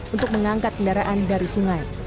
untuk mengangkat kendaraan dari sungai